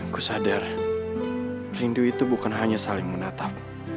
aku sadar rindu itu bukan hanya saling menatap